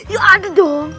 ya ada dong